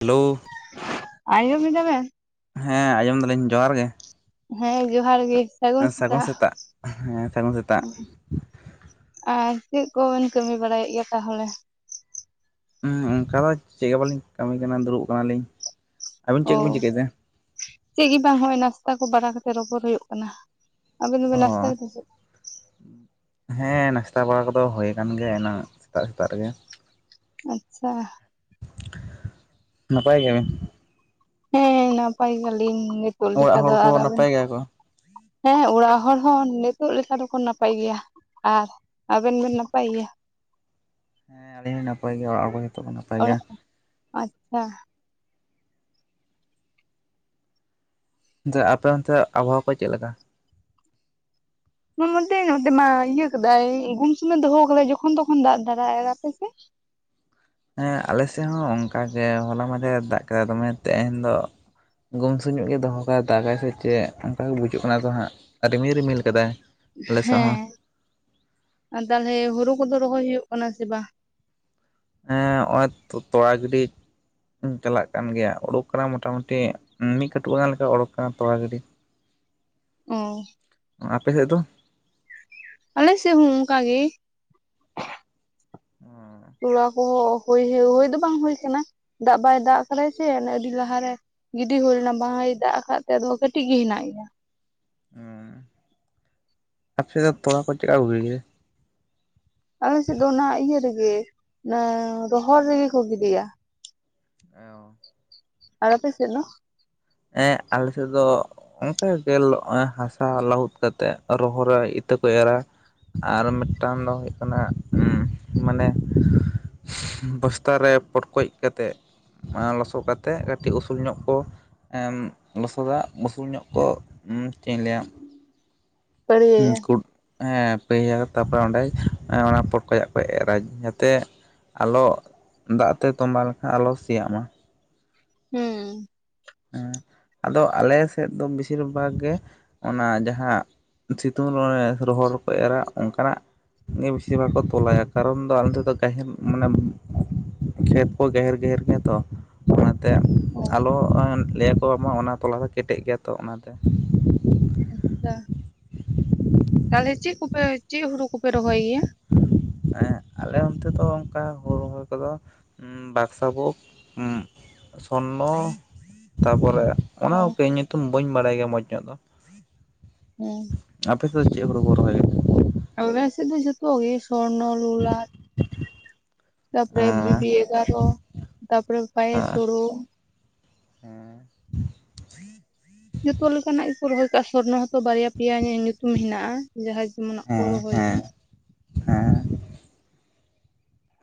Hello, ᱟᱸᱡᱚᱢ ᱮᱫᱟ ᱵᱮᱱ? ᱦᱮᱸ ᱟᱸᱡᱚᱢ ᱫᱟᱞᱤᱧ ᱡᱚᱦᱟᱨ ᱜᱮ᱾ ᱦᱮᱸ ᱡᱚᱦᱟᱨ ᱜᱮ ᱥᱟᱹᱜᱩᱱ ᱥᱮᱛᱟᱜ, ᱦᱮᱸ ᱥᱟᱹᱜᱩᱱ ᱥᱮᱛᱟᱜ ᱟᱨ ᱪᱮᱫ ᱠᱚᱵᱮᱱ ᱠᱟᱹᱢᱤ ᱵᱟᱲᱟᱭᱮᱫ ᱜᱮᱭᱟ ᱛᱟᱦᱚᱞᱮ? ᱦᱩᱸ ᱚᱱᱠᱟ ᱫᱚ ᱪᱮᱫ ᱜᱮ ᱵᱟᱞᱤᱧ ᱠᱟᱹᱢᱤ ᱠᱟᱱᱟ ᱫᱩᱲᱩᱵ ᱠᱟᱱᱟᱞᱤᱧ, ᱟᱹᱵᱤᱱ ᱚ ᱪᱮᱫ ᱠᱚᱵᱤᱱ ᱪᱤᱠᱟᱹᱭᱮᱫᱟ ᱪᱮᱫ ᱜᱮ ᱵᱟᱝ ᱱᱚᱜᱼᱚᱭ ᱱᱟᱥᱛᱟ ᱠᱚ ᱵᱟᱲᱟ ᱠᱟᱛᱮᱜ ᱨᱚᱯᱚᱲ ᱦᱩᱭᱩᱜ ᱠᱟᱱᱟ, ᱟᱵᱤᱱ ᱵᱤᱱ ᱚ ᱱᱟᱥᱛᱟᱭ ᱫᱟ ᱥᱮ ᱪᱮᱫ? ᱦᱮᱸ ᱱᱟᱥᱛᱟ ᱵᱟᱲᱟ ᱠᱚᱫᱚ ᱦᱩᱭᱟ ᱟᱠᱟᱱ ᱜᱮᱭᱟ ᱮᱱᱟᱝ ᱥᱮᱛᱟᱜ ᱥᱮᱛᱟᱜ ᱨᱮᱜᱮ ᱟᱪᱷᱟ, ᱱᱟᱯᱟᱭ ᱜᱮᱵᱭᱟᱤᱱ, ᱦᱮᱸ ᱱᱟᱯᱟᱭ ᱜᱮᱞᱤᱧ ᱱᱤᱛᱚᱜ ᱚᱲᱟᱜ ᱞᱮᱹᱠᱟ ᱫᱚ ᱦᱚᱲ ᱠᱚ ᱟᱨ ᱟᱵᱮᱱ? ᱱᱟᱯᱟᱭ ᱜᱮᱭᱟ ᱠᱚ ᱦᱮᱸ ᱚᱲᱟᱜ ᱦᱚᱲ ᱦᱚᱸ ᱱᱤᱛᱚᱜ ᱞᱮᱠᱟ ᱫᱚᱠᱚ ᱱᱟᱯᱟᱭ ᱜᱮᱭᱟ᱾ ᱟᱨ ᱟᱵᱮᱱ ᱵᱮᱱ ᱱᱟᱯᱟᱭ ᱜᱮᱭᱟ? ᱦᱮᱸ ᱟᱹᱞᱤᱧ ᱦᱚᱸ ᱱᱟᱯᱟᱭ ᱜᱮᱭᱟ ᱚᱲᱟᱜ ᱠᱚ ᱡᱚᱛᱚ ᱠᱚ ᱱᱟᱯᱟᱭ ᱜᱮᱭᱟ᱾ ᱚᱲᱟᱜ ᱟᱪᱪᱷᱟ, ᱟᱯᱮ ᱚᱱᱛᱮ ᱟᱵᱚᱦᱟᱣᱟ ᱠᱚ ᱪᱮᱫ ᱞᱮᱠᱟ? ᱚᱱᱟ ᱢᱚᱫᱽᱫᱷᱮ ᱱᱚᱛᱮ ᱢᱟ ᱤᱭᱟᱹ ᱠᱟᱫᱟᱭ ᱜᱩᱢ ᱥᱩᱢᱮ ᱫᱚᱦᱚ ᱟᱠᱟᱫᱟᱭ ᱡᱚᱠᱷᱚᱱ ᱛᱚᱠᱷᱚᱱ ᱫᱟᱜ ᱫᱷᱟᱨᱟᱭ ᱟᱯᱮᱥᱮ? ᱦᱮᱸ ᱟᱞᱮ ᱥᱮᱫ ᱦᱚᱸ ᱚᱱᱠᱟᱜ ᱜᱮ ᱦᱚᱞᱟ ᱢᱟᱫᱷᱮᱨ ᱫᱟᱜ ᱠᱮᱫᱟ ᱫᱚᱢᱮ ᱛᱮᱦᱮᱧ ᱫᱚ, ᱜᱩᱢᱥᱩ ᱧᱚᱜ ᱜᱮᱭ ᱫᱚᱦᱚ ᱠᱟᱟᱭ ᱫᱟᱜᱟᱭ ᱥᱮ ᱪᱮᱫ ᱚᱱᱠᱟ ᱜᱮ ᱵᱩᱡᱩᱜ ᱠᱟᱱᱟ ᱛᱚ ᱦᱟᱸᱜ ᱨᱤᱢᱤᱞ ᱨᱤᱢᱤᱞ ᱠᱟᱫᱟᱭ ᱟᱞᱮ ᱥᱮᱫ ᱦᱚᱸ ᱦᱮᱸ ᱛᱟᱦᱚᱞᱮ ᱦᱩᱲᱩ ᱠᱚᱫᱚ ᱨᱚᱦᱚᱭ ᱦᱩᱭᱩᱜ ᱠᱟᱱᱟ ᱥᱮ ᱵᱟᱝ? ᱦᱮᱸ ᱚᱜ ᱛᱚ ᱛᱚᱲᱟ ᱜᱤᱰᱤ ᱪᱟᱞᱟᱜ ᱠᱟᱱ ᱜᱮᱭᱟ ᱩᱰᱳᱠ ᱠᱟᱱᱟ ᱢᱚᱴᱟᱢᱩᱴᱤ ᱢᱤᱫ ᱠᱟᱹᱴᱩ ᱜᱟᱱ ᱞᱮᱠᱟ ᱩᱰᱳᱠ ᱠᱟᱱᱟ ᱛᱚᱲᱟ ᱜᱤᱹᱰᱤ, ᱚᱸ ᱟᱯᱮᱥᱮᱫ ᱫᱚ? ᱟᱞᱮ ᱥᱮᱫ ᱦᱚᱸ ᱚᱱᱠᱟ ᱜᱮ ᱛᱚᱞᱟ ᱠᱚᱦᱚᱸ ᱦᱩᱭ ᱦᱳᱭ ᱫᱚ ᱵᱟᱝ ᱦᱩᱭ ᱠᱟᱱᱟ ᱫᱟᱜ ᱵᱟᱭ ᱫᱟᱜ ᱠᱟᱫᱟ ᱥᱮ ᱟᱹᱰᱤ ᱞᱟᱦᱟᱨᱮ, ᱜᱤᱰᱤ ᱦᱩᱭᱳ ᱞᱮᱱᱟ ᱵᱟᱦᱟᱭ ᱫᱟᱜ ᱟᱠᱟᱫ ᱛᱮ ᱟᱫᱚ ᱠᱟᱹᱴᱤᱡ ᱜᱮ ᱦᱮᱱᱟᱜ ᱜᱮᱭᱟ, ᱟᱯᱮ ᱥᱮᱫ ᱫᱚ ᱛᱚᱲᱟ ᱠᱚ ᱪᱮᱫᱠᱟ ᱠᱚ ᱜᱤᱵᱤ ᱭᱟ? ᱟᱞᱮᱥᱮᱫ ᱫᱚ ᱚᱱᱟ ᱤᱭᱟᱹ ᱨᱮᱜᱮ ᱢᱟᱱᱮ ᱨᱚᱦᱚᱲ ᱨᱮᱜᱮ ᱠᱚ ᱜᱤᱰᱤᱭᱟ, ᱚ ᱟᱨ ᱟᱯᱮ ᱥᱮᱫ ᱫᱚ? ᱦᱮᱸ ᱟᱞᱮ ᱥᱮᱫ ᱫᱚ᱾ ᱚᱱᱠᱟ ᱜᱮ ᱦᱟᱥᱟ ᱞᱟᱹᱦᱩᱫ ᱠᱟᱛᱮᱜ ᱨᱚᱦᱚᱨ ᱨᱮ ᱤᱛᱟᱹ ᱠᱚ ᱮᱨᱟ, ᱟᱨ ᱢᱤᱫᱴᱟᱱ ᱫᱚ ᱦᱩᱭᱩᱜ ᱠᱟᱱᱟ ᱢᱟᱱᱮ, ᱵᱚᱥᱛᱟ ᱨᱮ ᱯᱚᱴᱠᱚᱡ ᱠᱟᱛᱮᱜ, ᱢᱟᱜ ᱞᱚᱥᱚᱫ ᱠᱟᱛᱮᱫ ᱠᱟᱹᱴᱤᱡ ᱩᱥᱩᱞ ᱧᱚᱜ ᱠᱚ ᱾ ᱦᱮᱸ ᱞᱚᱥᱚᱫᱟ ᱩᱥᱩᱞ ᱧᱚᱜ ᱠᱚ ᱧᱸ ᱪᱮᱫ ᱤᱧ ᱞᱮᱭᱟ ᱾ ᱦᱩᱸ ᱯᱟᱹᱲᱭᱟᱹᱭᱟ ᱠᱩᱴ ᱾ ᱦᱮᱸ ᱯᱟᱹᱭᱟ ᱛᱟᱨᱯᱚᱨᱮ ᱚᱸᱰᱮ ᱚᱱᱟ ᱯᱚᱴᱠᱚᱡ ᱟᱜ ᱠᱚ ᱮᱨᱟ ᱡᱟᱛᱮ, ᱟᱞᱚ ᱫᱟᱜ ᱛᱮ ᱛᱚᱸᱵᱟ ᱞᱮᱠᱷᱟᱱ ᱟᱞᱚ ᱥᱮᱭᱟᱜ ᱢᱟ, ᱦᱩᱸ ᱦᱮᱸ ᱟᱫᱚ ᱟᱞᱮ ᱥᱮᱫ ᱫᱚ ᱵᱤᱥᱤᱨ ᱵᱷᱟᱜᱽ ᱜᱮ ᱚᱱᱟ ᱡᱟᱦᱟᱸ, ᱥᱤᱛᱩᱝ ᱨᱮ ᱨᱚᱦᱚᱲ ᱨᱮᱠᱚ ᱮᱨᱟ ᱚᱱᱠᱟᱱᱟᱜ᱾ ᱵᱮᱥᱤᱨ ᱵᱷᱟᱜᱽ ᱠᱚ ᱛᱚᱞᱟᱭᱟ ᱠᱟᱨᱚᱱ ᱫᱚ ᱟᱞᱮ ᱥᱮᱫ ᱫᱚ ᱜᱟᱦᱮᱱ ᱢᱟᱱᱮ, ᱠᱷᱮᱛ ᱠᱚ ᱜᱮᱦᱮᱨ ᱜᱮᱦᱮᱨ ᱜᱮᱭᱟ ᱛᱚ᱾ ᱚᱱᱟᱛᱮ ᱟᱞᱚ ᱞᱟᱹᱭᱟᱠᱚ ᱢᱟ ᱚᱱᱟ ᱛᱚᱞᱟ ᱫᱚ ᱠᱮᱴᱮᱡ ᱜᱮᱭᱟ ᱛᱚ ᱚᱱᱟᱛᱮ᱾ ᱟᱪᱪᱷᱟ ᱾ ᱛᱟᱦᱚᱞᱮ ᱪᱮᱫ ᱠᱚᱯᱮ ᱪᱮᱫ ᱦᱩᱲᱩ ᱠᱚᱯᱮ ᱨᱚᱦᱚᱭ ᱜᱮᱭᱟ ᱾ ᱮᱸ ᱟᱞᱮ ᱚᱱᱛᱮ ᱫᱚ ᱚᱱᱠᱟ ᱦᱳᱲᱳ ᱨᱦᱚᱭ ᱠᱚᱫᱚ ᱩᱢ ᱵᱟᱠᱥᱚ ᱠᱚ ᱩᱸ ᱥᱚᱱᱱᱚ ᱛᱟᱯᱚᱨᱮ ᱚᱱᱟ ᱚ ᱦᱚᱠᱮ ᱤᱧ ᱧᱤᱛᱩᱢ ᱵᱟᱹᱧ ᱵᱟᱰᱟᱭ ᱜᱮᱭᱟ ᱢᱚᱸᱡᱽ ᱧᱚᱜ ᱫᱚ᱾ ᱦᱮᱸ ᱟᱯᱮ ᱫᱚ ᱪᱮᱫ ᱦᱳᱲᱳ ᱵᱚ ᱨᱚᱦᱚᱭ? ᱟᱞᱮ ᱥᱮᱜ ᱫᱚ ᱡᱷᱛᱚ ᱜᱮ ᱥᱚᱨᱱᱚ ᱞᱚᱞᱟᱴ᱾ [inaudible] ᱛᱟᱯᱚᱨᱮ ᱜᱮᱭᱟ ᱵᱤᱵᱤ ᱮᱜᱟᱨᱚ ᱛᱟᱯᱚᱨᱮ ᱯᱟᱭᱮᱥ ᱦᱳᱲᱳ᱾ ᱦᱮᱸ ᱡᱷᱛᱚ ᱞᱮᱠᱟᱱᱟᱜ ᱜᱮᱠᱚ ᱨᱚᱦᱚᱭ ᱠᱟᱜᱼᱟ ᱥᱚᱨᱱᱚ ᱦᱚᱸ ᱛᱚ ᱵᱟᱨᱭᱟ ᱯᱮᱭᱟ ᱧᱩᱛᱩᱢ ᱦᱮᱱᱟᱜᱼᱟ᱾ ᱡᱟᱦᱟᱭ ᱡᱮᱢᱚᱱᱟᱜ ᱠᱚ ᱦᱮᱸ ᱨᱚᱦᱚᱭ ᱦᱮᱸ ᱜᱮ᱾ ᱦᱮᱸ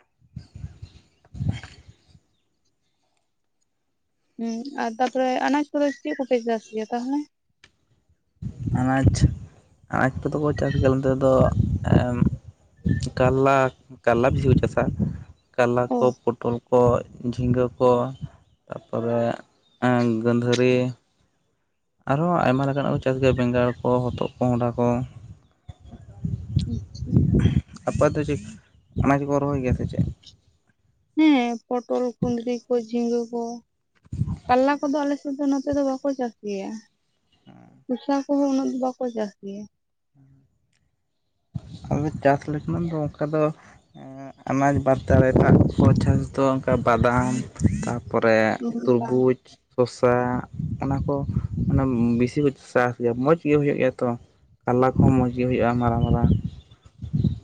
[inaudible] ᱦᱩᱸ ᱟᱨ ᱛᱟᱯᱚᱨᱮ ᱟᱱᱟᱡ ᱠᱚᱫᱚ ᱪᱮᱜ ᱠᱚᱯᱮ ᱪᱟᱥ ᱜᱮᱭᱟ ᱛᱟᱦᱞᱮ? ᱟᱱᱟᱡᱽ ᱟᱱᱟᱡᱽ ᱠᱚᱫᱚ ᱠᱚ ᱪᱟᱥ ᱜᱮᱭᱟ ᱟᱞᱮ ᱱᱚᱛᱮ ᱫᱚ ᱮᱸ ᱠᱟᱞᱞᱟ ᱠᱟᱞᱞᱟ ᱵᱮᱥᱤ ᱠᱚ ᱪᱟᱥᱟ ᱠᱟᱞᱞᱟ ᱚ ᱠᱚ, ᱯᱚᱴᱚᱞ ᱠᱚ ᱾ ᱡᱷᱤᱸᱜᱟᱹ ᱠᱚ ᱛᱟᱯᱚᱨᱮ ᱮᱸ ᱜᱟᱺᱫᱷᱟᱹᱨᱤ᱾ ᱟᱨᱦᱚᱸ ᱟᱭᱢᱟ ᱞᱮᱠᱟᱱᱟᱜ ᱠᱚ ᱪᱟᱥ ᱜᱮᱭᱟ ᱵᱮᱸᱜᱟᱲ ᱠᱚ, ᱦᱚᱛᱚᱜ ᱠᱚ, ᱦᱚᱱᱰᱟ ᱠᱚ᱾ ᱟᱪᱪᱷᱟ ᱟᱯᱟ ᱫᱚ ᱪᱮᱠ ᱟᱱᱟᱡ ᱠᱚᱠᱚ ᱨᱚᱦᱚᱭ ᱜᱮᱭᱟ ᱥᱮ ᱪᱮᱜ? ᱦᱮᱸ ᱯᱚᱴᱚᱞ, ᱠᱩᱸᱫᱽᱨᱤ ᱠᱚ, ᱡᱷᱤᱸᱜᱟᱹ ᱠᱚ᱾ ᱠᱟᱞᱞᱟ ᱠᱚᱫᱚ ᱟᱞᱮᱥᱮᱜ ᱫᱚ ᱱᱚᱛᱮ ᱫᱚ ᱵᱟᱠᱚ ᱪᱟᱥ ᱜᱮᱭᱟ ᱾ ᱥᱩᱥᱟ ᱠᱚᱸᱦᱚᱸ ᱩᱱᱟᱹᱜ ᱫᱚ ᱵᱟᱠᱚ ᱪᱟᱥ ᱜᱮᱭᱟ ᱾ ᱟᱞᱮ ᱪᱟᱥ ᱞᱮᱠᱟᱱᱟᱜ ᱫᱚ ᱚᱝᱠᱟ ᱫᱚ ᱮᱸ ᱟᱱᱟᱡᱽ ᱵᱟᱫ ᱫᱟᱨᱮ ᱱᱟᱜ ᱠᱚ ᱪᱟᱥ ᱫᱚ ᱚᱝᱠᱟ ᱵᱟᱫᱟᱢ ᱛᱟ ᱯᱚᱨᱮ ᱛᱩᱨᱵᱩᱡᱽ ᱾ ᱥᱚᱥᱟ ᱚᱱᱟ ᱠᱚ ᱚᱱᱟ ᱵᱮᱥᱤ ᱠᱚ ᱪᱟᱥ ᱜᱮᱭᱟ ᱢᱚᱡᱽ ᱜᱮ ᱦᱩᱭᱩᱜ ᱜᱮᱭᱟ ᱛᱚ ᱾ ᱠᱟᱞᱞᱟ ᱠᱚᱸᱦᱚᱸ ᱢᱚᱸᱡᱽ ᱜᱮ ᱦᱩᱭᱩᱜᱼᱟ ᱢᱟᱨᱟᱝ ᱢᱟᱨᱟᱝ ᱾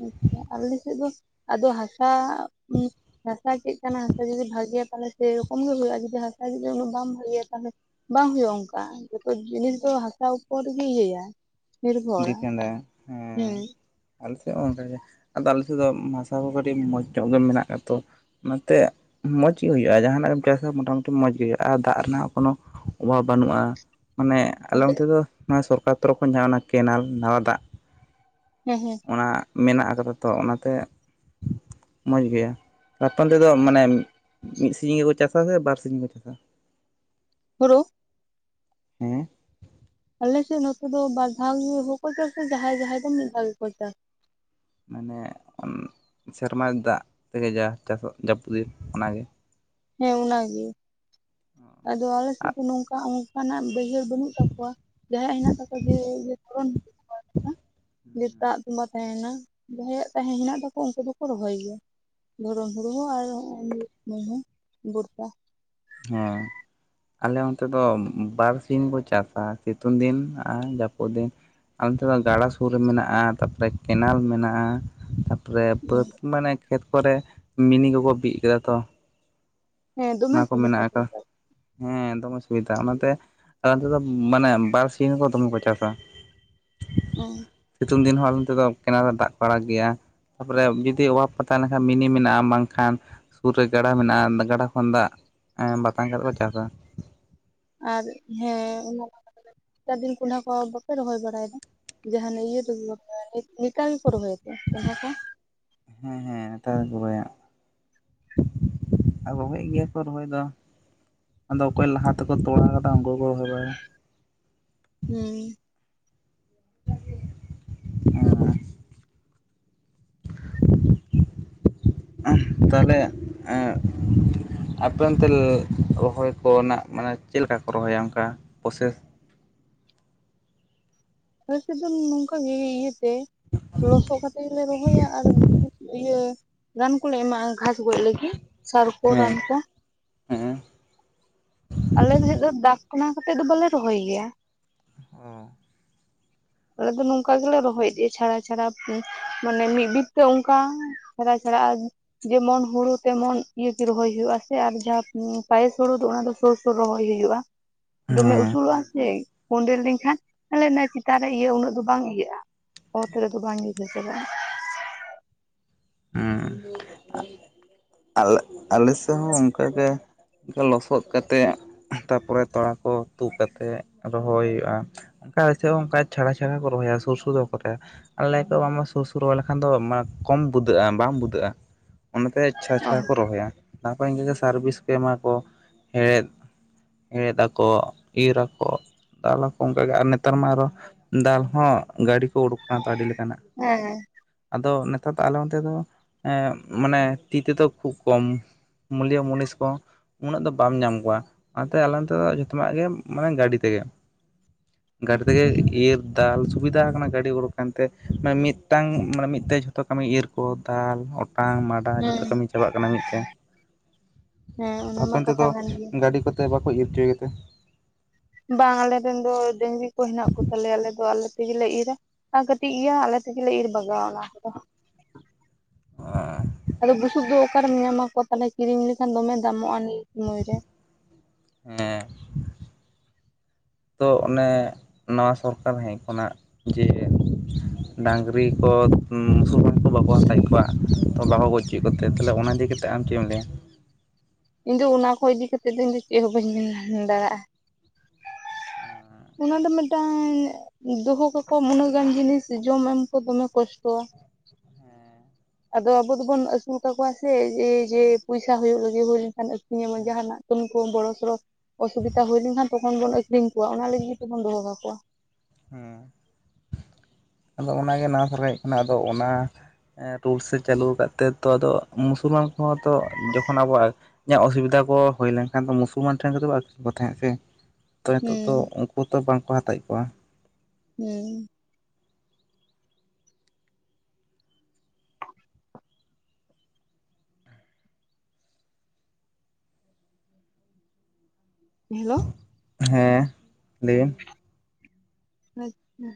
ᱟᱪᱪᱷᱟ ᱟᱞᱮ ᱥᱮᱜ ᱫᱚ ᱟᱫᱚ ᱦᱟᱥᱟ ᱩᱸ ᱦᱟᱥᱟ ᱪᱮᱜ ᱠᱟᱱᱟ ᱦᱟᱥᱟ ᱡᱩᱫᱤ ᱵᱷᱟᱜᱮᱭᱟ ᱛᱟᱦᱞᱮ ᱥᱮᱭᱨᱚᱠᱚᱢ ᱜᱮ ᱦᱩᱭᱩᱜᱼᱟ, ᱡᱩᱫᱤ ᱦᱟᱥᱟ ᱡᱩᱫᱤ ᱩᱱᱟᱹᱜ ᱵᱟᱢ ᱵᱷᱟᱜᱮᱭᱟ ᱛᱟᱦᱞᱮ ᱵᱟᱝ ᱦᱩᱭᱩᱜᱼᱟ ᱚᱝᱠᱟ ᱡᱷᱛᱚ ᱡᱤᱱᱤᱥ ᱫᱚ ᱦᱟᱥᱟ ᱩᱯᱚᱨᱜᱮ ᱤᱭᱟᱹᱭᱟᱭ ᱾ ᱰᱤᱯᱮᱱᱰᱼᱟ ᱮᱸ ᱦᱮᱸ ᱟᱞᱮ ᱥᱮᱜ ᱦᱚᱸ ᱚᱝᱠᱟᱜᱮ ᱟᱫᱚ ᱟᱞᱮ ᱥᱮᱜ ᱫᱚ ᱦᱟᱥᱟ ᱠᱚ ᱠᱟᱹᱴᱤᱡ ᱢᱚᱡᱽ ᱧᱚᱜ ᱫᱚ ᱢᱮᱱᱟᱜ ᱠᱟᱜᱼᱟ ᱛᱚ ᱚᱱᱟᱛᱮ ᱢᱚᱸᱡᱽ ᱜᱮ ᱦᱩᱭᱩᱜᱼᱟ ᱡᱟᱦᱟᱸᱱᱟᱜ ᱜᱮᱢ ᱪᱟᱥᱟ ᱢᱳᱴᱟᱢᱩᱴᱤ ᱢᱚᱸᱡᱽ ᱜᱮ ᱦᱩᱭᱩᱜᱼᱟ ᱟ ᱫᱟᱜ ᱨᱮᱱᱟᱜ ᱠᱳᱱᱳ ᱚᱵᱷᱟᱵᱽ ᱵᱟᱹᱱᱩᱜᱼᱟ ᱾ ᱢᱟᱱᱮ ᱟᱞᱮ ᱟᱯᱮ ᱚᱱᱛᱮ ᱫᱚ [unintelligible] ᱥᱚᱨᱠᱟᱨ ᱛᱚᱨᱚᱯᱷ ᱠᱷᱚᱱ ᱡᱟᱦᱟ ᱚᱱᱟ ᱠᱮᱱᱮᱞ ᱱᱟᱣᱟ ᱫᱟᱜ ᱦᱮᱸ ᱦᱮᱸ ᱚᱱᱟ ᱢᱮᱱᱟᱜ ᱟᱠᱟᱫᱟ ᱛᱚ ᱚᱱᱟᱛᱮ ᱢᱚᱡᱽ ᱜᱮᱭᱟ ᱟᱯᱮᱢ ᱛᱮᱫᱚ ᱢᱟᱱᱮ ᱢᱤᱜ ᱥᱤᱡᱤᱝ ᱜᱮᱠᱚ ᱪᱟᱥᱟ ᱥᱮ ᱵᱟᱨ ᱥᱤᱡᱤᱝ ᱠᱚ ᱪᱟᱥᱟ? ᱦᱩᱨᱩ ᱦᱮᱸ ᱟᱞᱮᱥᱮᱜ ᱱᱚᱛᱮ ᱫᱚ ᱵᱟᱨ ᱫᱷᱟᱣ ᱜᱮ ᱦᱚᱸᱠᱚ ᱪᱟᱥᱟ᱾ ᱡᱟᱦᱟᱸᱭ ᱡᱟᱦᱟᱸᱭ ᱫᱚ ᱢᱤᱜ ᱫᱷᱟᱣ ᱜᱮᱠᱚ ᱪᱟᱥ ᱢᱟᱱᱮ ᱩᱸ ᱥᱮᱨᱢᱟ ᱫᱟᱜ ᱛᱮᱜᱮ ᱡᱟ ᱪᱟᱥᱚᱜ ᱡᱟᱹᱯᱩᱜ ᱫᱤᱱ ᱚᱱᱟᱜᱮ? ᱦᱮᱸ ᱚᱱᱟᱜᱮ ᱟᱫᱚ ᱟᱞᱮ ᱥᱮᱜ ᱫᱚ ᱱᱚᱝᱠᱟ ᱚᱝ ᱠᱟᱱᱟᱜ ᱵᱟᱹᱭᱦᱟᱹᱲ ᱵᱟᱹᱱᱩᱜ ᱛᱟᱠᱚᱣᱟ ᱡᱟᱦᱟᱸᱭᱟᱜ ᱦᱮᱱᱟᱜ ᱛᱟᱠᱚᱣᱟ ᱡᱮ ᱫᱷᱚᱨᱚᱱ [unintelligible] ᱡᱮ ᱫᱟᱜ ᱛᱚᱸᱵᱟ ᱛᱟᱦᱮᱱᱟ ᱡᱟᱦᱟᱸᱭᱟᱜ ᱛᱟᱦᱮᱸ ᱦᱮᱱᱟᱜ ᱛᱟᱠᱚᱣᱟ ᱩᱝᱠᱩ ᱫᱚᱠᱚ ᱨᱚᱦᱚᱭ ᱜᱮᱭᱟ᱾ ᱫᱷᱚᱨᱚᱢ ᱦᱩᱲ ᱦᱚᱸ ᱟᱨ ᱦᱚᱸᱜᱼᱚᱭ ᱢᱩᱭᱦᱩ ᱵᱚᱨᱥᱟ᱾ ᱦᱮᱸᱻ ᱟᱞᱮ ᱚᱱᱛᱮ ᱫᱚ ᱵᱟᱨ ᱥᱤᱧ ᱵᱚᱱ ᱪᱟᱥᱟ, ᱥᱤᱛᱩᱝ ᱫᱤᱱ ᱟᱨ ᱡᱟᱹᱯᱩᱫ ᱫᱤᱱ᱾ ᱟᱞᱮ ᱱᱤᱛ ᱫᱚ ᱜᱟᱰᱟ ᱥᱩᱨ ᱨᱮ ᱢᱮᱱᱟᱜᱼᱟ, ᱛᱟᱯᱚᱨᱮ ᱠᱮᱱᱮᱞ ᱢᱮᱱᱟᱜᱼᱟ, ᱛᱟᱯᱼᱼ ᱯᱚᱨᱮ ᱵᱟᱹᱫᱽ ᱢᱟᱱᱮ ᱠᱷᱮᱛ ᱠᱚᱨᱮ ᱢᱤᱱᱤ ᱠᱚᱠᱚ ᱵᱤᱫ ᱠᱮᱫᱟ ᱛᱚ, ᱦᱮᱸ ᱫᱚᱢᱮ ᱚᱱᱟ ᱠᱚ ᱥᱩᱵᱤᱫᱟ ᱢᱮᱱᱟᱜ ᱫᱚ ᱟᱠᱟᱼᱼ ᱦᱮᱸ ᱫᱚᱢᱮ ᱥᱩᱵᱤᱫᱷᱟ ᱚᱱᱟᱛᱮ ᱟᱨᱛᱮ ᱫᱚ ᱢᱟᱱᱮ ᱵᱟᱨᱥᱤᱱ ᱫᱚ ᱫᱚᱢᱮ ᱠᱚ ᱪᱟᱥᱟ᱾ ᱩᱸ ᱥᱤᱛᱩᱝ ᱫᱤᱱ ᱦᱚᱸ ᱟᱞᱮ ᱱᱚᱛᱮ ᱫᱚ ᱠᱮᱱᱮᱞ ᱨᱮ ᱫᱟᱜ ᱠᱚ ᱟᱲᱟᱜ ᱜᱮᱭᱟ᱾ ᱛᱟᱯᱚ ᱨᱮ ᱡᱩᱫᱤ ᱚᱵᱷᱟᱵ ᱯᱟᱛᱟ ᱞᱮᱱᱠᱷᱟᱱ ᱢᱤᱱᱤ ᱢᱮᱱᱟᱜᱼᱟ, ᱵᱟᱝᱠᱷᱟᱱ ᱥᱩᱨ ᱨᱮ ᱜᱟᱰᱟ ᱢᱮᱱᱟᱜᱼᱟ, ᱜᱟᱰᱟ ᱠᱚᱼ ᱠᱷᱚᱱ ᱫᱟᱜ ᱵᱟᱛᱟᱝ ᱠᱟᱛᱮ ᱠᱚ ᱪᱟᱥᱟ᱾ ᱟᱨ ᱦᱮᱸ ᱚᱱᱟ ᱠᱟᱛᱷᱟ ᱠᱟᱱ ᱜᱮ ᱱᱮᱛᱟᱨ ᱫᱤᱱ ᱠᱸᱰᱦᱟᱹ ᱠᱚ ᱵᱟᱯᱮ ᱨᱚᱦᱚᱭ ᱵᱟᱲᱟ ᱭᱮᱫᱟ? ᱡᱟᱦᱱᱟᱜ ᱤᱭᱟᱹ ᱱᱮᱛᱟᱨ ᱜᱮᱠᱚ ᱨᱚᱦᱚᱭ ᱛᱮ ᱠᱚ [unintelligible] ᱦᱮᱸ ᱦᱮᱸ ᱱᱮᱛᱟᱨ ᱜᱮᱠᱚ ᱨᱚᱦᱚᱭᱟ᱾ ᱟᱨ ᱨᱚᱦᱚᱭᱮᱜ ᱜᱮᱭᱟ ᱠᱚ ᱨᱚᱦᱚᱭ ᱫᱚ᱾ ᱟᱫᱚ ᱚᱠᱚᱭ ᱞᱟᱦᱟ ᱛᱮᱠᱚ ᱛᱚᱲᱟ ᱟᱠᱟᱫᱟ᱾ ᱩᱱᱠᱩ ᱠᱚ ᱨᱚᱦᱚᱭ ᱵᱟᱟᱭᱟ᱾ ᱦᱩᱸᱻ ᱛᱟᱦᱚᱞᱮ ᱮᱸᱜᱼᱼ ᱦᱟᱯᱮ ᱚᱱᱛᱮ ᱨᱚᱦᱚᱭ ᱠᱚᱨᱮᱱᱟᱜ ᱢᱟᱱᱮ ᱪᱮᱫᱠᱟ ᱠᱚ ᱨᱚᱦᱚᱭᱟ ᱚᱱᱠᱟ ᱯᱨᱚᱥᱮᱥ? ᱟᱹᱥᱤ ᱫᱚ ᱱᱚᱝᱠᱟ ᱜᱮ ᱤᱭᱟᱹᱛᱮ ᱞᱚᱥᱚᱜ ᱠᱟᱛᱮ ᱜᱮᱞᱮ ᱨᱚᱦᱚᱭᱟ ᱟᱨᱼᱼ ᱤᱭᱟᱹ ᱨᱟᱱ ᱠᱚᱞᱮ ᱮᱢᱟᱜᱼᱟ ᱜᱷᱟᱥ ᱜᱚᱡ ᱞᱟᱹᱜᱤᱫᱼᱼ ᱥᱟᱨ ᱠᱚ, ᱨᱟᱱ ᱦᱮᱸ ᱠᱚ, ᱦᱮᱸ ᱟᱞᱮ ᱥᱮᱡ ᱫᱟᱜᱼᱼ ᱚᱱᱟ ᱠᱟᱛᱮᱫ ᱫᱚ ᱵᱟᱞᱮ ᱨᱚᱦᱚᱭ ᱜᱮᱭᱟ᱾ ᱦᱚᱸᱻ ᱟᱞᱮ ᱫᱚ ᱱᱚᱝᱠᱟ ᱜᱮᱞᱮ ᱨᱚᱦᱚᱭ ᱤᱫᱤᱜᱤᱭᱟ ᱪᱷᱟᱲᱟ ᱪᱷᱟᱲᱟ ᱢᱟᱱᱮ ᱢᱤᱫ ᱵᱤᱛᱟᱹ ᱚᱝᱠᱟᱼᱼ ᱪᱷᱟᱲᱟ ᱪᱷᱟᱲᱟ ᱡᱮᱢᱚᱱ ᱦᱩᱲᱩ ᱛᱮᱢᱚᱱ ᱤᱭᱟᱹᱜᱤ ᱨᱚᱦᱚᱭ ᱦᱩᱭᱩᱜ ᱟᱥᱥᱮ ᱟᱨ ᱡᱟᱦᱟᱸ ᱯᱟᱭᱮᱥ ᱦᱩᱲᱩ ᱫᱚ ᱚᱱᱟ ᱫᱚ ᱥᱩᱨᱥᱳᱩᱨ ᱨᱚᱦᱚᱭ ᱦᱩᱭᱩᱜᱼᱟ᱾ ᱦᱮᱸ ᱫᱚᱢᱮ ᱩᱥᱩᱞᱚᱜᱼᱟ ᱥᱮ ᱠᱚᱸᱰᱮᱞ ᱞᱮᱱᱠᱷᱟᱱᱼᱼ ᱛᱚᱞᱮ ᱚᱱᱟ ᱪᱮᱛᱟᱱ ᱨᱮ ᱤᱭᱟᱹ ᱩᱱᱟᱹᱜ ᱫᱚ ᱵᱟᱝ ᱤᱭᱟᱹᱜᱼᱟ ᱚᱛ ᱨᱮᱫᱚ ᱵᱟᱝ ᱤᱭᱟᱹᱟᱹ ᱪᱮᱨᱟᱜᱼᱟᱼᱼ ᱦᱮᱸ [inaudible] ᱟᱞᱮ ᱟᱞᱮ ᱥᱮᱜᱽ ᱦᱚᱸ ᱚᱝᱠᱟ ᱜᱮᱼᱼ ᱞᱚᱥᱚᱫ ᱠᱟᱛᱮᱜ ᱛᱟᱨᱯᱚᱨᱮ ᱛᱚᱲᱟ ᱠᱚ, ᱛᱩᱫ ᱠᱟᱛᱮᱜ ᱨᱚᱦᱚᱭ ᱦᱩᱭᱩᱜᱼᱟ᱾ ᱟᱞᱮᱜᱽ ᱥᱮᱫ ᱦᱚᱸ ᱚᱱᱠᱟ ᱪᱷᱟᱲᱟ ᱪᱷᱟᱲᱟ ᱠᱚ ᱨᱚᱦᱚᱭᱟ ᱥᱩᱨ ᱥᱩᱨ ᱫᱚ ᱵᱟᱠᱚ ᱨᱮᱭᱟᱼᱼ ᱟᱞᱮ ᱛᱚ ᱵᱟᱝ ᱢᱟ ᱥᱩᱨ ᱥᱩᱨ ᱨᱚᱦᱚᱭ ᱞᱮᱠᱷᱟᱱ ᱫᱚ ᱢᱟ ᱠᱚᱢᱼᱼ ᱵᱩᱫᱟᱹᱜᱼᱟ ᱵᱟᱢ ᱵᱩᱫᱟᱹᱜᱼᱟ ᱚᱱᱟᱛᱮ ᱪᱷᱟᱲᱟ ᱪᱷᱟᱲᱟ ᱦᱮᱸ ᱠᱚ ᱨᱚᱦᱚᱭᱟ᱾ ᱛᱟᱨᱯᱚᱨᱮ ᱤᱱᱠᱟᱹ ᱜᱮ ᱥᱟᱨᱵᱷᱤᱥ ᱠᱚ ᱮᱢᱟ ᱠᱚ ᱦᱮᱲᱮᱫᱼᱼ ᱦᱮᱲᱦᱮᱫ ᱟᱠᱚ ᱤᱨ ᱟᱠᱚᱼᱼ ᱫᱟᱞ ᱟᱠᱚ ᱚᱝᱠᱟᱜ ᱜᱮ ᱟᱨ ᱱᱮᱛᱟᱨ ᱢᱟ ᱟᱨᱚ ᱫᱟᱞ ᱦᱚᱸ ᱜᱟᱹᱰᱤ ᱠᱚ ᱩᱰᱩᱠ ᱠᱟᱱᱟ ᱛᱚ ᱟᱹᱰᱤ ᱞᱮᱠᱟ ᱱᱟᱜ, ᱦᱮᱸᱻ ᱟᱫᱚ ᱱᱮᱛᱟᱨ ᱟᱞᱮ ᱚᱱᱛᱮ ᱫᱚ ᱢᱟᱱᱮ ᱛᱤ ᱛᱮᱫᱚ ᱠᱷᱩᱵ ᱠᱚᱢᱼᱼ ᱢᱩᱞᱤᱭᱟᱹ ᱢᱩᱱᱤᱥ ᱠᱚ ᱩᱱᱟᱹᱜ ᱫᱚ ᱵᱟᱢ ᱧᱟᱢ ᱠᱚᱣᱟ ᱚᱱᱟᱛᱮ ᱟᱞᱮ ᱱᱚᱛᱮ ᱫᱚ ᱡᱚᱛᱚᱱᱟᱜ ᱜᱮ ᱢᱟᱱᱮ ᱜᱟᱹᱰᱤ ᱛᱮᱜᱮᱼᱼ [inaudible] ᱜᱟᱹᱰᱤ ᱛᱮᱜᱮ ᱤᱨ ᱫᱟᱞ ᱥᱩᱵᱤᱫᱷᱟ ᱟᱠᱟᱱᱟ ᱜᱟᱹᱰᱤ ᱩᱰᱩᱠ ᱟᱠᱟᱱᱛᱮ ᱢᱟᱱ ᱢᱤᱫᱴᱟᱝ, ᱢᱟᱱᱮ ᱢᱤᱫ ᱛᱮ ᱡᱷᱚᱛᱚ ᱠᱟᱹᱢᱤ ᱤᱨ ᱠᱚ ᱫᱟᱞ ᱚᱴᱟᱝ ᱢᱟᱰᱟᱝ ᱡᱷᱚᱛᱚ ᱦᱮᱸ ᱠᱟᱹᱢᱤᱼᱼ ᱪᱟᱵᱟᱜ ᱠᱟᱱᱟ ᱢᱤᱫ ᱛᱮ ᱦᱮᱸ ᱚᱱᱟ ᱢᱟ ᱦᱟᱯᱮᱱ ᱠᱟᱛᱷᱟ ᱛᱮᱫᱚ ᱠᱟᱱ ᱜᱮᱭᱟ ᱜᱟᱹᱰᱤ ᱠᱚᱛᱮ ᱵᱟᱠᱚ ᱤᱭᱟᱹ ᱚᱪᱚᱭᱛᱮ? ᱵᱟᱝ ᱟᱞᱮᱨᱮᱱ ᱫᱚ ᱰᱟᱝᱨᱤ ᱠᱚ ᱦᱮᱱᱟᱜ ᱠᱚᱛᱟᱞᱮᱭᱟ ᱟᱞᱮ ᱫᱚ ᱟᱞᱮ ᱛᱮᱜᱮ ᱤᱨᱼᱟ ᱟᱨ ᱠᱟᱹᱴᱤᱡ ᱜᱮᱭᱟ ᱟᱞᱮ ᱛᱮᱜᱮᱞᱮ ᱤᱨ ᱵᱟᱜᱟᱣᱼᱟ ᱚᱱᱟ ᱠᱚᱫᱚ ᱦᱟᱸᱜ᱾ [unintelligible] ᱟᱫᱚ ᱵᱩᱥᱩᱵ ᱫᱚ ᱚᱠᱟᱨᱮᱢ ᱧᱟᱢᱟᱠᱚᱣᱟ ᱛᱟᱦᱚᱞᱮ ᱠᱤᱨᱤᱧ ᱞᱮᱠᱷᱟᱱ ᱫᱚᱢᱮ ᱫᱟᱢᱚᱜᱼᱟ ᱱᱤᱭᱟᱹ ᱥᱚᱢᱚᱭ ᱨᱮ ᱦᱮᱸ [inaudible] ᱛᱚ ᱚᱱᱮ ᱱᱟᱣᱟ ᱥᱚᱨᱠᱟᱨ ᱦᱮᱡ ᱠᱷᱚᱱᱟᱜ ᱡᱮ [inaudible] ᱰᱟᱹᱟᱝᱨᱤ ᱠᱚ ᱵᱩᱥᱩᱵ [unintelligible] ᱵᱟᱠᱚ ᱦᱟᱛᱟᱣᱮᱫ ᱠᱚᱣᱟ ᱛᱚ ᱵᱟᱠᱚ ᱜᱚᱡᱪᱚᱭᱮᱫ ᱠᱚᱛᱮ ᱛᱟᱦᱚᱞᱮ ᱚᱱᱟ ᱤᱫᱤ ᱠᱟᱛ ᱟᱢ ᱪᱮᱫ ᱮᱢ ᱞᱟᱹᱭᱟ? ᱤᱧ ᱫᱚ ᱚᱱᱟ ᱠᱚ ᱤᱫᱤ ᱠᱟᱛᱮᱜ ᱫᱚ ᱤᱧ ᱫᱚ ᱪᱮᱫ ᱦᱚᱸ ᱵᱟᱹᱧ ᱢᱮᱱ ᱫᱟᱲᱮᱭᱟᱜᱼᱟ᱾ ᱚᱱᱟ ᱫᱚ ᱢᱤᱫᱴᱟᱝ ᱫᱚᱦᱚ ᱠᱟᱠᱚ ᱩᱱᱟᱹᱜ ᱜᱟᱱ ᱡᱤᱱᱤᱥ ᱡᱚᱢ ᱮᱢ ᱠᱚ ᱫᱚᱢᱮ ᱠᱚᱥᱴᱚᱣᱟ᱾ ᱟᱫᱚ ᱟᱵᱚ ᱫᱚᱵᱚᱱ ᱟᱹᱥᱩᱞ ᱠᱟᱠᱚᱣᱟ ᱥᱮ ᱡᱮ ᱡᱮ ᱯᱚᱭᱥᱟ ᱦᱩᱭᱩᱜ ᱞᱟᱹᱜᱤᱫ ᱦᱩᱭ ᱞᱮᱱᱠᱷᱟᱱ ᱟᱹᱠᱷᱨᱤᱧ ᱟᱵᱚᱱ ᱡᱟᱦᱟᱸᱱᱟᱜ ᱡᱚᱱ ᱠᱚ ᱵᱚᱲᱚ ᱥᱚᱲᱚ ᱚᱥᱩᱵᱤᱛᱟ ᱦᱩᱭ ᱞᱮᱱᱠᱷᱟᱱ ᱛᱚᱠᱷᱚᱱ ᱵᱚᱱ ᱟᱹᱠᱷᱨᱤᱧ ᱠᱚᱣᱟ ᱚᱱᱟ ᱞᱟᱹᱜᱤᱫ ᱜᱮ ᱛᱮᱵᱚᱱ ᱫᱚᱦᱚ ᱠᱟᱠᱚᱣᱟ᱾ ᱦᱮᱸ ᱟᱫᱚ ᱚᱱᱟᱜᱮ ᱱᱟᱣᱟᱥᱟᱨᱟᱭᱮᱡ ᱠᱟᱱᱟ ᱟᱫᱚ ᱚᱱᱟ ᱨᱩᱞᱥ ᱮ ᱪᱟᱹᱞᱩ ᱟᱠᱟᱫ ᱛᱮ ᱛᱚ ᱟᱫᱚ ᱢᱩᱥᱞᱢᱟᱱ ᱠᱚᱦᱚᱸ ᱛᱚ ᱡᱚᱠᱷᱚᱱ ᱟᱵᱚᱣᱟᱜ ᱤᱧᱟᱹᱜ ᱚᱥᱩᱵᱤᱫᱟ ᱠᱚ ᱦᱩᱭ ᱞᱮᱱᱠᱷᱟᱱ ᱫᱚ ᱢᱩᱥᱚᱞᱢᱟᱱ ᱴᱷᱮᱱ ᱠᱚᱫᱚ ᱟᱹᱠᱷᱨᱤᱧ ᱠᱚ ᱛᱟᱦᱮᱸᱫ ᱥᱮ ᱛᱚ ᱱᱤᱛᱚᱜ ᱫᱚ ᱦᱩᱸ ᱩᱱᱠᱩ ᱛᱚ ᱵᱟᱝᱠᱚ ᱦᱟᱛᱟᱣᱮᱫ ᱠᱚᱣᱟ᱾ ᱦᱩᱸ ᱦᱮᱞᱳ ᱦᱮᱸ ᱞᱟᱹᱭ ᱵᱮᱱ ᱟᱪᱪᱷᱟ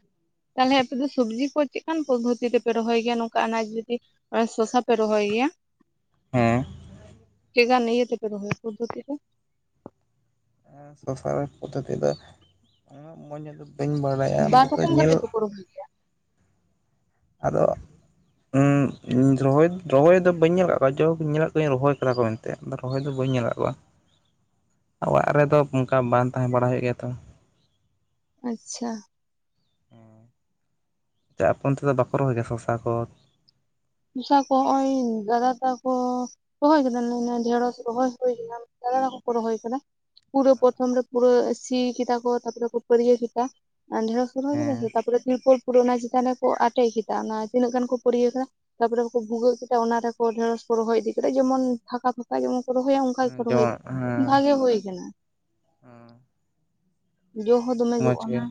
ᱛᱟᱦᱚᱞᱮ ᱟᱯᱮ ᱫᱚ ᱥᱚᱵᱽᱡᱤ ᱠᱚ ᱪᱮᱫ ᱞᱮᱠᱟᱱ ᱯᱚᱫᱽᱫᱷᱚᱛᱤ ᱨᱮᱯᱮ ᱨᱚᱦᱚᱭ ᱜᱮᱭᱟ ᱱᱚᱝᱠᱟ ᱟᱱᱟᱡᱽ ᱡᱩᱫᱤ ᱟᱨ ᱥᱚᱥᱟ ᱯᱮ ᱨᱚᱦᱚᱭ ᱜᱮᱭᱟ᱾ ᱦᱮᱸ ᱪᱮᱠᱟᱱ ᱤᱭᱟᱹ ᱛᱮ ᱯᱮ ᱨᱚᱦᱚᱭᱼᱟ ᱯᱚᱫᱽᱫᱷᱚᱛᱤ ᱠᱚ ᱮᱸ ᱥᱚᱝᱥᱟ ᱯᱚᱫᱽᱫᱷᱚᱛᱤ ᱫᱚ ᱩᱱᱟᱹᱜ ᱢᱚᱸᱡᱽ ᱵᱟᱹᱧ ᱵᱟᱲᱟᱭᱟ [unintelligible] ᱧᱮᱞ ᱯᱩᱨᱟᱹ ᱦᱩᱭᱩᱜ ᱜᱮᱭᱟ᱾ ᱟᱫᱚ ᱚᱸ ᱨᱚᱦᱚᱭ ᱨᱚᱦᱚᱭ ᱫᱚ ᱵᱟᱹᱧ ᱧᱮᱞ ᱟᱠᱟᱫ ᱠᱚᱣᱟ ᱡᱚᱠ ᱧᱮᱞ ᱠᱚᱣᱟᱹᱧ ᱨᱚᱦᱚᱭ ᱠᱟᱫᱟ ᱠᱚ ᱢᱮᱱ ᱛᱮᱫ ᱨᱚᱦᱚᱭ ᱫᱚ ᱵᱟᱹᱧ ᱧᱮᱞ ᱟᱠᱟᱫ ᱠᱚᱣᱟ᱾ [inaudible] ᱚᱲᱟᱜ ᱨᱮᱫᱚ ᱚᱱᱠᱟ ᱵᱟᱝ ᱛᱟᱦᱮᱸ ᱵᱟᱲᱟ ᱦᱩᱭᱩᱜ ᱜᱮᱭᱟ ᱛᱚ᱾ ᱟᱪᱪᱷᱟ ᱪᱟᱜ ᱟᱯᱮ ᱚᱱᱛᱮ ᱫᱚ ᱵᱟᱠᱚ ᱨᱚᱦᱚᱭ ᱜᱮᱭᱟ ᱥᱚᱥᱟ ᱠᱚ? ᱥᱚᱥᱟ ᱠᱚ ᱦᱚᱜᱼᱚᱭ ᱫᱟᱫᱟ ᱛᱟᱠᱚ ᱨᱚᱦᱚᱭ ᱠᱟᱫᱟ ᱞᱮ ᱱᱚᱭ ᱰᱷᱮᱲᱚᱥ ᱠᱚ ᱨᱚᱦᱚᱭ ᱦᱩᱭ ᱠᱟᱱᱟ, ᱫᱟᱫᱟ ᱛᱟᱠᱚᱠᱚ ᱨᱚᱦᱚᱭ ᱟᱠᱟᱫᱟ᱾ ᱯᱩᱨᱟᱹ ᱯᱚᱨᱚᱛᱷᱚᱢ ᱨᱮ ᱯᱩᱨᱟᱹ ᱥᱤ ᱠᱮᱫᱟ ᱠᱚ ᱛᱟᱯᱚᱨᱮ ᱠᱚ ᱯᱟᱹᱨᱤᱭᱟᱹ ᱠᱮᱫᱟ᱾ ᱟᱨ ᱰᱷᱮᱲᱚᱥ ᱠᱚ ᱨᱚᱦᱚᱭ ᱠᱮᱫᱟ ᱦᱮᱸ ᱥᱮ ᱛᱟᱨᱯᱚᱨᱮ ᱛᱤᱨᱯᱚᱞ ᱯᱩᱨᱟᱹ ᱚᱱᱟ ᱪᱮᱛᱟᱱ ᱨᱮ ᱠᱚ ᱟᱴᱮᱫ ᱠᱮᱫᱟ ᱚᱱᱟ ᱛᱤᱱᱟᱹᱜ ᱜᱟᱱ ᱠᱚ ᱯᱟᱹᱨᱭᱤᱭᱟᱹ ᱠᱮᱫᱟ᱾ ᱛᱟᱯᱚᱨᱮ ᱠᱚ ᱵᱷᱩᱜᱟᱹᱜ ᱠᱮᱫᱟ ᱚᱱᱟ ᱨᱮᱠᱚ ᱰᱷᱮᱲᱚᱥ ᱠᱚ ᱨᱚᱦᱚᱭ ᱤᱫᱤ ᱠᱮᱫᱟ ᱡᱮᱢᱚᱱ ᱯᱷᱟᱸᱠᱟ ᱯᱷᱟᱸᱠᱟ ᱡᱮᱢᱚᱱ ᱠᱚ ᱨᱚᱦᱚᱭᱟ, ᱚᱱᱠᱟ ᱜᱮᱠᱚ ᱨᱚᱦᱚᱭᱟ ᱡᱮᱢᱚᱱ ᱦᱮᱸ ᱵᱷᱟᱜᱮ ᱦᱩᱭ ᱟᱠᱟᱱᱟ᱾ ᱡᱚ ᱦᱚᱸ ᱫᱚᱢᱮ ᱡᱚᱜ ᱢᱚᱡᱽ ᱜᱮ ᱠᱟᱱᱟ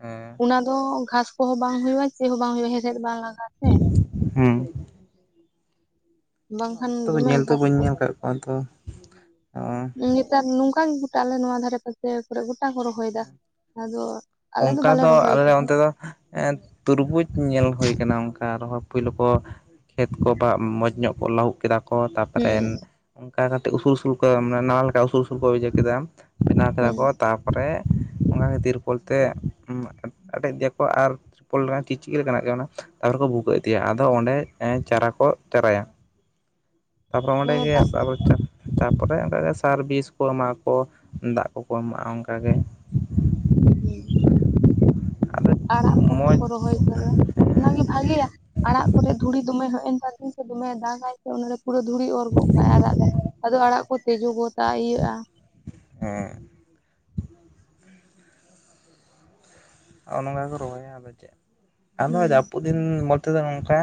ᱦᱮᱸ [unintelligible] ᱫᱚ ᱜᱷᱟᱥ ᱠᱚᱦᱚᱸ ᱵᱟᱝ ᱦᱩᱭᱩᱜᱼᱟ ᱪᱮᱫ ᱦᱚᱸ ᱵᱟᱝ ᱦᱩᱭᱩᱜᱼᱟ ᱦᱮᱲᱦᱮᱫ ᱵᱟᱝ ᱞᱟᱜᱟᱜ ᱦᱩᱸ ᱵᱟᱝᱠᱷᱟᱱ ᱛᱚ ᱫᱚᱢᱮ ᱧᱮᱞ ᱫᱚ ᱜᱷᱟᱥ ᱵᱟᱹᱧ ᱠᱚ ᱧᱮᱞ ᱟᱠᱟᱫ ᱠᱚᱣᱟ ᱛᱚ ᱦᱚᱸ ᱱᱮᱛᱟᱨ ᱱᱚᱝᱠᱟ ᱜᱮ ᱜᱚᱴᱟ ᱟᱞᱮ ᱱᱚᱣᱟ ᱫᱷᱟᱨᱮ ᱯᱟᱥᱮ ᱠᱚᱨᱮ ᱜᱚᱴᱟ ᱠᱚ ᱨᱚᱦᱚᱭ ᱫᱟ ᱟᱫᱚ ᱟᱞᱮ ᱚᱱᱠᱟ ᱵᱟᱞᱮ ᱫᱚ ᱨᱚᱦᱚᱭ ᱟᱞᱮ ᱠᱟᱫᱟ ᱚᱱᱛᱮ ᱫᱚ ᱛᱩᱨᱵᱩᱡᱽ ᱧᱮᱞ ᱦᱩᱭ ᱠᱟᱱᱟ ᱚᱱᱠᱟ ᱟᱨᱦᱚᱸ ᱯᱳᱭᱞᱳ ᱠᱚ ᱾ ᱠᱷᱮᱛ ᱠᱚ ᱵᱟ ᱢᱚᱡᱽ ᱧᱚᱜ ᱠᱚ ᱞᱟᱹᱩᱫ ᱠᱮᱫᱟ ᱠᱚ ᱛᱟᱨᱯᱚᱨᱮ ᱦᱩᱸ ᱚᱱᱠᱟ ᱠᱟᱛᱮ ᱩᱥᱩᱞᱼᱩᱥᱩᱞ ᱠᱚ ᱢᱟᱱᱮ ᱱᱟᱣᱟ ᱞᱮᱠᱟ ᱩᱥᱩᱞ-ᱩᱥᱩᱞ ᱠᱚ ᱤᱭᱟᱹ ᱠᱮᱫᱟ ᱾ ᱵᱮᱱᱟᱣ ᱠᱮᱫᱟ ᱦᱩᱸ ᱠᱚ ᱛᱟᱨᱯᱚᱨᱮ ᱚᱱᱟ ᱠᱷᱟᱹᱛᱤᱨ ᱵᱚᱞᱛᱮ ᱟᱴᱮᱫ ᱫᱤᱭᱟᱠᱚ ᱟᱨ ᱥᱩᱯᱚᱞ ᱪᱤᱪᱤ ᱞᱮᱠᱟᱱ ᱱᱟᱜ ᱠᱟᱱᱟ, ᱛᱟᱨᱯᱚᱨᱮ ᱠᱚ ᱵᱷᱩᱜᱟᱹᱜ ᱤᱫᱤᱭᱟ ᱟᱫᱚ ᱚᱸᱰᱮ ᱪᱟᱨᱟ ᱠᱚ ᱪᱟᱨᱟᱭᱟ ᱾ ᱪᱮᱫ ᱦᱚᱸ ᱵᱟᱝ ᱟᱸᱡᱚᱢᱚᱜ ᱠᱟᱱᱟ ᱛᱟᱯᱚᱨᱮ ᱚᱸᱰᱮᱜᱮ ᱟᱥᱟᱵᱷᱚᱪᱟ ᱛᱟᱯᱚᱨᱮ ᱚᱱᱠᱟ ᱜᱮ ᱥᱟᱨᱼᱵᱤᱥ ᱠᱚ ᱮᱢᱟᱜ ᱟᱠᱚ ᱫᱟᱜ ᱠᱚᱠᱚ ᱮᱢᱟᱜᱼᱟ ᱚᱱᱠᱟ ᱜᱮ ᱾ ᱦᱮᱸᱻ ᱟᱫᱚ ᱟᱲᱟᱜ ᱠᱚᱦᱚᱸ ᱢᱚᱡᱽ ᱠᱚ ᱨᱚᱦᱚᱭ ᱠᱟᱫᱟ ᱾ ᱚᱱᱟ ᱜᱮ ᱵᱷᱟᱜᱮᱤᱭᱟ ᱟᱲᱟᱜ ᱠᱚᱨᱮ ᱫᱷᱩᱲᱤ ᱫᱚᱢᱮ ᱦᱮᱡ ᱮᱱ ᱛᱚ ᱛᱤᱧ ᱥᱮ ᱫᱚᱢᱮ ᱫᱟᱜᱟᱭ ᱾ ᱚᱱᱟᱨᱮ ᱯᱩᱨᱟᱹ ᱫᱷᱩᱲᱤ ᱚᱨ ᱜᱚᱜ ᱠᱟᱭᱟᱭ ᱟᱲᱟᱜ ᱨᱮ ᱟᱫᱚ ᱟᱲᱟᱜ ᱠᱚ ᱛᱮᱡᱩ ᱜᱚᱴᱟ ᱤᱭᱟᱹᱜᱼᱟ ᱾ ᱦᱮᱸᱻ ᱾ ᱦᱚᱸᱜ ᱱᱚᱝᱠᱟ ᱠᱚ ᱨᱚᱦᱚᱭᱟ ᱟᱫᱚ ᱪᱮᱫ ᱟᱫᱚ ᱦᱩᱸ ᱡᱟᱹᱯᱩᱫ ᱫᱤᱱ ᱢᱚᱫᱽᱫᱷᱚ ᱱᱚᱝᱠᱟ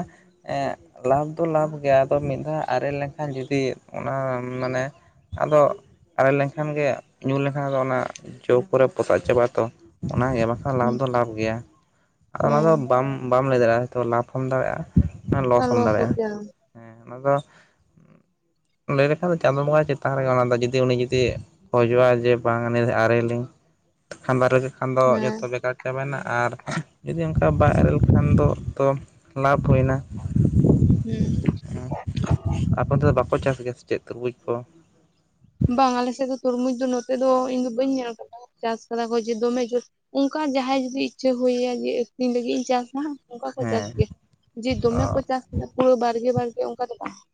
ᱮᱸᱜ ᱞᱟᱵᱷ ᱫᱚ ᱞᱟᱵᱷ ᱜᱮᱭᱟ ᱟᱫᱚ ᱢᱤᱫ ᱫᱷᱟᱹᱣ ᱟᱨᱮᱞ ᱞᱮᱱᱠᱷᱟᱱ ᱡᱩᱫᱤ ᱚᱱᱟ ᱢᱟᱱᱮ ᱟᱫᱚ ᱟᱨᱮᱞ ᱞᱮᱱᱠᱷᱟᱱ ᱜᱮ ᱧᱩᱨ ᱞᱮᱱᱠᱷᱟᱱ ᱫᱚ ᱚᱱᱟ ᱡᱚ ᱠᱚᱨᱮ ᱯᱚᱥᱟᱜ ᱪᱟᱵᱟᱜᱼᱟ ᱛᱚ ᱚᱱᱟ ᱜᱮ ᱵᱟᱠᱷᱟᱱ ᱞᱟᱵᱷ ᱦᱩᱸ ᱫᱚ ᱞᱟᱵᱷ ᱜᱮᱭᱟ ᱟᱫᱚ ᱚᱱᱟ ᱫᱚ ᱵᱟᱢ-ᱵᱟᱢ ᱞᱟᱹᱭ ᱫᱟᱲᱮᱭᱟᱜᱼᱟ ᱞᱟᱵᱷ ᱦᱚᱢ ᱫᱟᱲᱮᱭᱟᱜᱼᱟ ᱾ ᱞᱚᱥ ᱦᱮᱸ ᱦᱚᱢ ᱫᱟᱲᱮᱭᱟᱜᱼᱟ, ᱩᱛᱟᱹᱨᱟ ᱦᱮᱸ ᱚᱱᱟ ᱫᱚ ᱞᱟᱹᱭ ᱞᱮᱠᱷᱟᱱ ᱫᱚ ᱪᱟᱸᱫᱚ ᱵᱚᱸᱜᱟ ᱪᱮᱛᱟᱱ ᱨᱮ ᱚᱱᱟ ᱫᱚ ᱡᱩᱫᱤ ᱩᱱᱤ ᱡᱩᱫᱤ ᱠᱷᱚᱡᱚᱜᱼᱟ ᱡᱮ ᱵᱟᱝ ᱟᱹ ᱟᱨᱮᱞᱤᱧ ᱠᱷᱟᱱ ᱫᱟᱨᱮᱠᱷᱟᱱ ᱫᱚ ᱡᱚᱛᱚ ᱦᱮᱸ ᱪᱟᱡ ᱪᱟᱵᱟᱭᱮᱱᱟ ᱟᱨ ᱡᱩᱫᱤ ᱚᱱᱠᱟ ᱵᱟᱭ ᱟᱨᱮᱞ ᱞᱮᱠᱷᱟᱱ ᱫᱚ ᱛᱚ ᱞᱟᱵᱷ ᱦᱩᱭᱱᱟ ᱾ ᱦᱩᱸ ᱾ ᱟᱠᱚ ᱛᱮᱫᱚ ᱵᱟᱠᱚ ᱪᱟᱥ ᱜᱮᱭᱟ ᱥᱮ ᱪᱮᱫ ᱛᱩᱨᱵᱩᱡᱽ ᱠᱚ? ᱵᱟᱝ ᱟᱞᱮ ᱥᱮᱫ ᱫᱚ ᱛᱩᱨᱵᱩᱡᱽ ᱫᱚ ᱱᱚᱛᱮ ᱫᱚ ᱤᱧ ᱫᱚ ᱵᱟᱹᱧ ᱧᱮᱞ ᱟᱠᱟᱫᱟ ᱾ ᱪᱟᱥ ᱠᱟᱫᱟ ᱠᱚ ᱡᱮ ᱫᱚᱢᱮ ᱡᱟᱹᱥᱛᱤ ᱚᱱᱠᱟ ᱡᱟᱦᱟᱸᱭ ᱡᱩᱫᱤ ᱤᱪᱷᱟᱹ ᱦᱩᱭᱮᱭᱟ ᱡᱮ ᱟᱹᱠᱷᱨᱤᱧ ᱞᱟᱹᱜᱤᱫ ᱤᱧ ᱪᱟᱥᱟ ᱦᱟᱸᱜ ᱾ ᱚᱱᱠᱟ ᱠᱚ ᱪᱟᱥ ᱦᱮᱸ ᱜᱮᱭᱟ, ᱡᱮ ᱚ ᱫᱚᱢᱮ ᱠᱚ ᱪᱟᱥ ᱠᱟᱱᱟ ᱯᱩᱨᱟ ᱵᱟᱲᱜᱮ-ᱵᱟᱲᱜᱮ ᱚᱱᱠᱟ ᱫᱚ ᱵᱟᱝ ᱾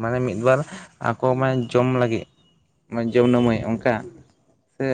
ᱢᱟᱱᱮ ᱢᱤᱫ ᱵᱟᱨ ᱟᱠᱚ ᱢᱟᱱᱮ ᱡᱚᱢ ᱞᱟᱹᱜᱤᱫ ᱾ ᱡᱚᱢ ᱱᱟᱢᱟᱹᱭ ᱚᱱᱠᱟ ᱥᱮ